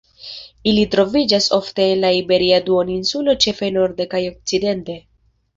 Ili troviĝas ofte en la Iberia Duoninsulo ĉefe norde kaj okcidente.